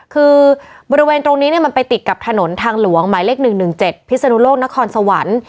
คือบริเวณตรงนี้มันไปติดกับถนนทางหลวงหมายเลข๑๑๗พิศนุโลกนครสวรรค์